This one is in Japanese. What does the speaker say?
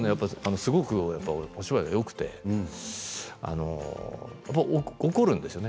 すごくお芝居がよくて怒るんですよね